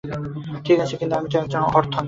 ঠিক আছে, কিন্তু, আমি তো একজন হথর্ন।